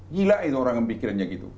gila itu orang yang mikirnya gitu